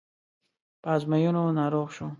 په ازموینو ناروغ شو.